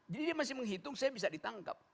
dia masih menghitung saya bisa ditangkap